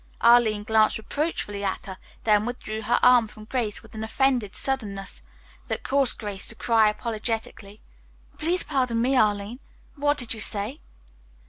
Arline glanced reproachfully at her, then withdrew her arm from Grace's with an offended suddenness that caused Grace to cry apologetically: "Please pardon me, Arline. What did you say?"